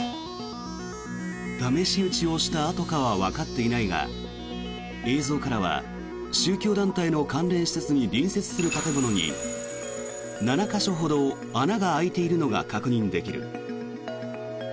試し撃ちをしたあとかはわかっていないが映像からは宗教団体の関連施設に隣接する建物に７か所ほど穴が開いているのが確認できる。